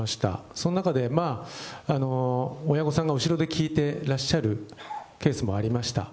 その中で、親御さんが後ろで聞いてらっしゃるケースもありました。